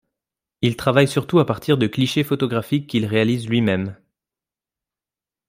Il travaille surtout à partir de clichés photographiques qu'il réalise lui-même.